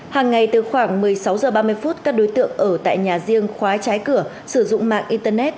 hàng ngày từ khoảng một mươi sáu h ba mươi phút các đối tượng ở tại nhà riêng khóa trái cửa sử dụng mạng internet